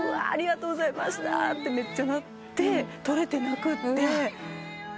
「ありがとうございました」ってめっちゃなってとれてなくって。